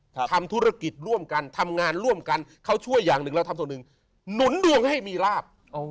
ทำธุรกิจร่วมกันทำงานร่วมกันเขาช่วยอย่างหนึ่งเราทำส่วนหนึ่งหนุนดวงให้มีลาบ